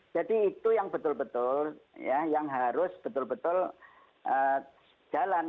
jadi itu yang betul betul ya yang harus betul betul jalan